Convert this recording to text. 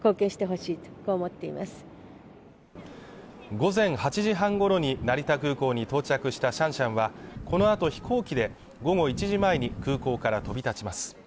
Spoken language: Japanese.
午前８時半頃に成田空港に到着したシャンシャンはこのあと飛行機で午後１時前に空港から飛び立ちます。